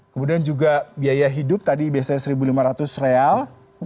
kemudian juga biaya hidup tadi biasanya rp satu lima ratus real